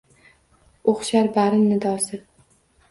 O’xshar barin nidosi.